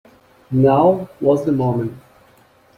Now was the moment.